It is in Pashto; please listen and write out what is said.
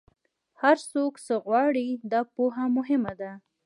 هر څوک څه غواړي، دا پوهه مهمه ده.